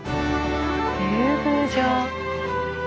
竜宮城。